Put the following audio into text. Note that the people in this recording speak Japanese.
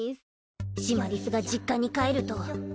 シマリスが実家に帰ると。